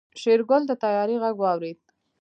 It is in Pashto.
شېرګل د طيارې غږ واورېد.